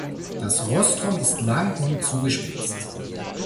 Das Rostrum ist lang und zugespitzt.